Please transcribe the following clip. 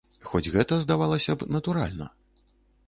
Хоць гэта, здавалася б, натуральна.